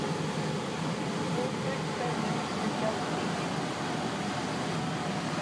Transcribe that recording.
There were also experiments with belt feedings.